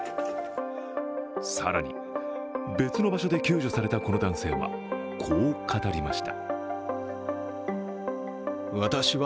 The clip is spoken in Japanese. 更に、別の場所で救助されたこの男性はこう語りました。